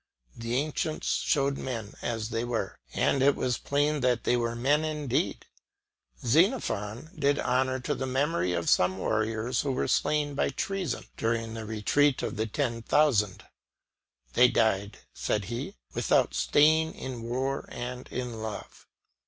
The ancients showed men as they were, and it was plain that they were men indeed. Xenophon did honour to the memory of some warriors who were slain by treason during the retreat of the Ten Thousand. "They died," said he, "without stain in war and in love."